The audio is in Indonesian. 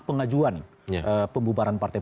pengajuan pembubaran partai